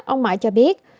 ông mãi cho biết